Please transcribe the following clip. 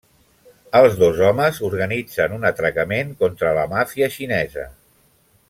Els dos homes organitzen un atracament contra la màfia xinesa.